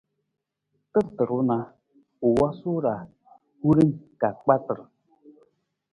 Terata ruu na, u wosu ra hurin ka kpatar.